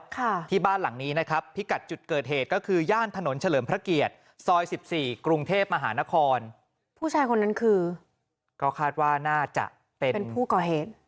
ก็คาดว่าน่าจะเป็นเป็นผู้ก่อเหตุ